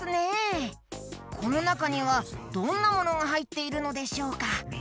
このなかにはどんなものがはいっているのでしょうか？